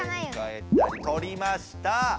とりました。